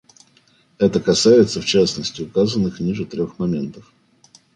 Это касается, в частности, указанных ниже трех моментов.